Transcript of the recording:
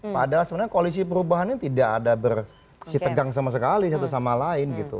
padahal sebenarnya koalisi perubahan ini tidak ada bersitegang sama sekali satu sama lain gitu